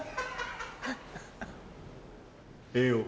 ええよ。